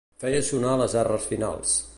Feia sonar les erres finals.